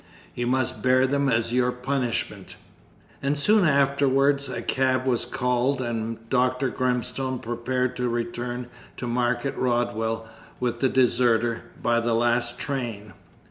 You must bear them as your punishment." And soon afterwards a cab was called, and Dr. Grimstone prepared to return to Market Rodwell, with the deserter, by the last train.